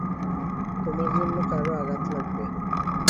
তোমার জন্য কারো আঘাত লাগবে।